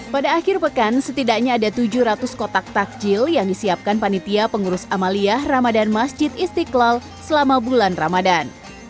pada akhir pekan setidaknya ada tujuh ratus kotak takjil yang disiapkan panitia pengurus amaliyah ramadan masjid istiqlal selama bulan ramadan